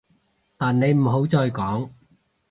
但你唔好再講